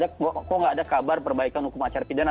kok gak ada kabar perbaikan hukum acar pidana